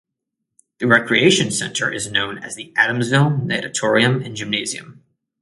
The recreation center is known as the Adamsville Natatorium and Gymnasium.